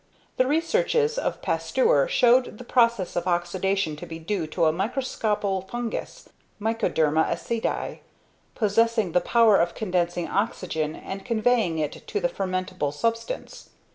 The researches of Pasteur showed the process of oxidation to be due to a microscopical fungus (mycoderma aceti), possessing the power of condensing oxygen and conveying it to the fermentable substance.